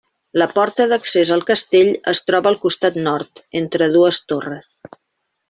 La porta d'accés al castell es troba al costat nord, entre dues torres.